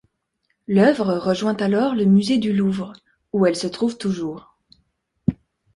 L'œuvre rejoint alors le musée du Louvre, où elle se trouve toujours.